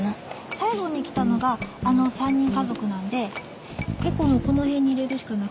最後に来たのがあの３人家族なんでエコのこの辺に入れるしかなくて。